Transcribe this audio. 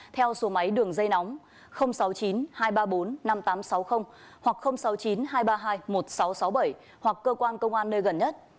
theo số máy đường dây nóng sáu mươi chín hai trăm ba mươi bốn năm nghìn tám trăm sáu mươi hoặc sáu mươi chín hai trăm ba mươi hai một nghìn sáu trăm sáu mươi bảy hoặc cơ quan công an nơi gần nhất